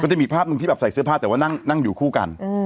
ก็ได้มีภาพที่แบบใส่เสื้อผ้าแต่ว่านั่งอยู่คู่กัน